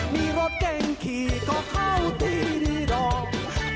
มีรถเก่งขี่ก็เข้าที่รีรม